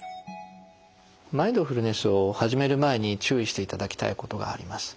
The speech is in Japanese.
マインドフルネスを始める前に注意していただきたいことがあります。